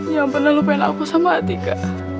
yang pernah lupain aku sama atika